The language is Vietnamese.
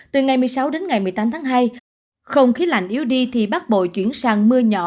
từ ngày một mươi sáu đến ngày một mươi tám tháng hai không khí lạnh yếu đi thì bắc bộ chuyển sang mưa nhỏ